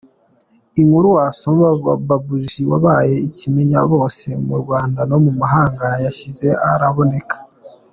Inkuru wasoma: ’Babuji’ wabaye ikimenyabose mu Rwanda no mu mahanga yashyize araboneka.